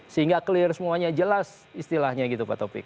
sehingga clear semuanya jelas istilahnya gitu pak topik